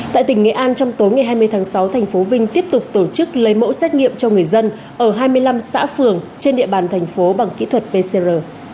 tại tỉnh nghệ an trong tối ngày hai mươi tháng sáu thành phố vinh tiếp tục tổ chức lấy mẫu xét nghiệm cho người dân ở hai mươi năm xã phường trên địa bàn thành phố bằng kỹ thuật pcr